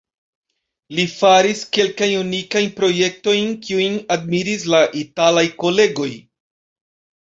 Li faris kelkajn unikajn projektojn, kiujn admiris la italaj kolegoj.